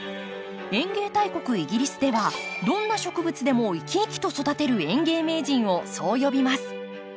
園芸大国イギリスではどんな植物でも生き生きと育てる園芸名人をそう呼びます。